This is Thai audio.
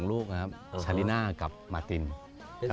เราสร้างครอบครัวมาแล้วก็